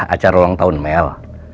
acara ulang tahun mel